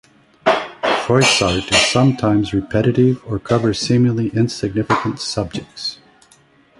Froissart is sometimes repetitive or covers seemingly insignificant subjects.